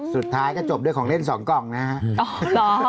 สุดท้ายก็จบด้วยของเล่น๒กล่องนะครับ